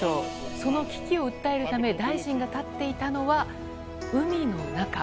その危機を訴えるため大臣が立っていたのは海の中。